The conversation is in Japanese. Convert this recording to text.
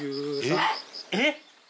えっ！